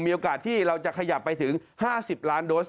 มีโอกาสที่เราจะขยับไปถึง๕๐ล้านโดส